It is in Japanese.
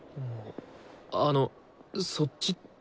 あの「そっち」って？